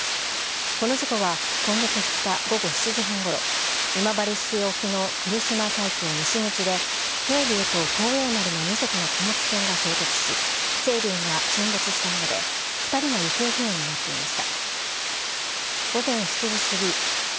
この事故は今月２日、午後７時半ごろ、今治市沖の来島海峡西口でせいりゅうと幸栄丸の２隻の貨物船が衝突し、せいりゅうが沈没したもので、２人が行方不明になっていました。